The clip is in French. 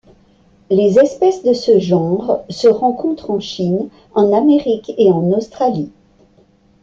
Les espèces de ce genre se rencontrent en Chine, en Amérique et en Australie.